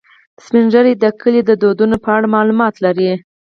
سپین ږیری د کلي د دودونو په اړه معلومات لري